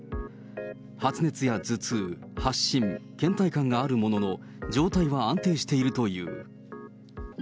発熱や頭痛、発疹、けん怠感があるものの、状態は安定しているという。